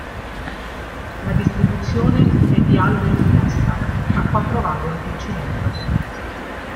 La distribuzione è bialbero in testa, a quattro valvole per cilindro.